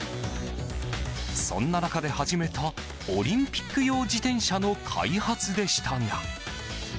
そんな中で始めたオリンピック用自転車の開発でしたが。